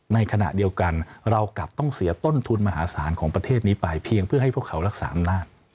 ในขณะเดียวกันเรากลับต้องเสียต้นทุนมหาศาลของประเทศนี้ไปเพียงเพื่อให้พวกเขารักษาอำนาจ